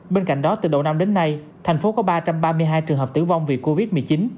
bên cạnh đó từ đầu năm đến nay thành phố có ba trăm ba mươi hai trường hợp tử vong vì covid một mươi chín